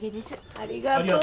ありがとう。